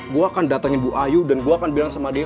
gue akan datangin bu ayu dan gue akan bilang sama dia